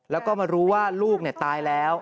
แล้วก็มารู้ว่าลูกตายแล้ว